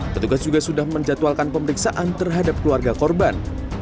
petugas juga sudah menjatuhkan pemeriksaan terhadap keluarga korban